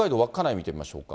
見てみましょうか。